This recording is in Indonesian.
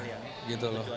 ya gitu loh